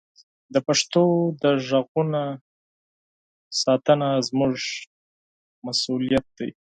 د پښتو د اوازونو ساتنه زموږ مسوولیت دی.